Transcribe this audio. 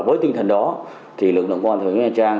với tinh thần đó thì lực lượng công an thành phố nha trang